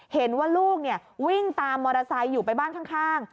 เห็นว่าลูกวิ่งตามมอเตอร์ไซค์อยู่ไปบ้านข้าง